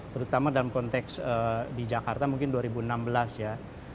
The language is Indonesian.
terutama dalam konteks di jakarta mungkin dua ribu enam belas ya